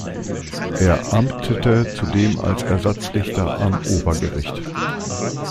Er amtete zudem als Ersatzrichter am Obergericht.